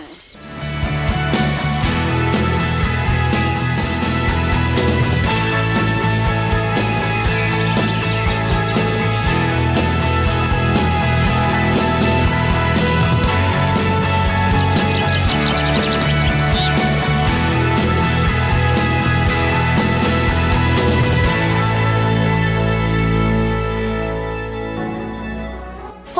แอปรสดวน